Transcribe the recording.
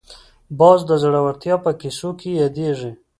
باز د زړورتیا په کیسو کې یادېږي